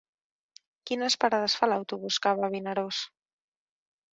Quines parades fa l'autobús que va a Vinaròs?